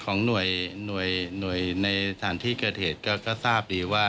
ของหน่วยในสถานที่เกิดเหตุก็ทราบดีว่า